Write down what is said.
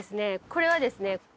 これはですね